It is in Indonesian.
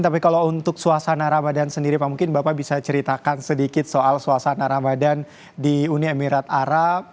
tapi kalau untuk suasana ramadan sendiri pak mungkin bapak bisa ceritakan sedikit soal suasana ramadan di uni emirat arab